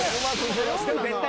でも絶対。